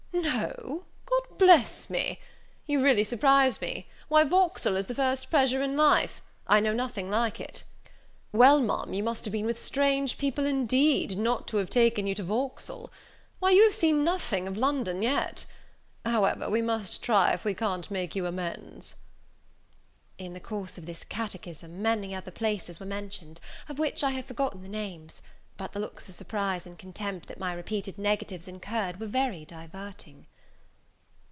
"No God bless me! you really surprise me, why Vauxhall is the first pleasure in life! I know nothing like it. Well, Ma'am, you must have been with strange people, indeed, not to have taken you to Vauxhall. Why you have seen nothing of London yet. However, we must try if we can't make you amends." In the course of this catechism, many other places were mentioned, of which I have forgotten the names; but the looks of surprise and contempt that my repeated negatives incurred were very diverting.